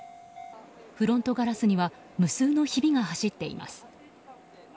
フロントガラスには無数のひびが走っています。